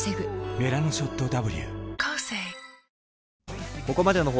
「メラノショットＷ」